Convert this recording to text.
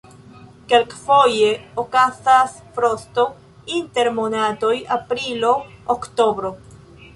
Kelkfoje okazas frosto inter monatoj aprilo-oktobro.